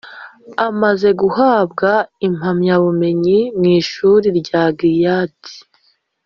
Amaze guhabwa impamyabumenyi mu ishuri rya Gileyadi